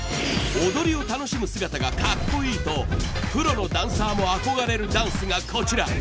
踊りを楽しむ姿が格好いいとプロのダンサーも憧れるダンスがこちら。